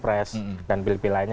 pil kada pil pres dan pil pil lainnya